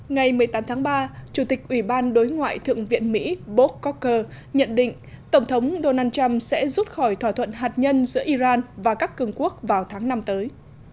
ngày một mươi tám tháng ba chủ tịch ủy ban đối ngoại thượng viện mỹ bok córker nhận định tổng thống donald trump sẽ rút khỏi thỏa thuận hạt nhân giữa iran và các cường quốc vào tháng năm tới